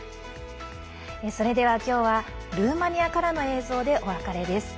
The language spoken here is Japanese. それでは、今日はルーマニアからの映像でお別れです。